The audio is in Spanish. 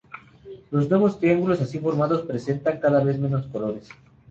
Los nuevos triángulos así formados presentan cada vez menos colores.